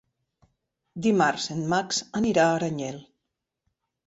Dimarts en Max anirà a Aranyel.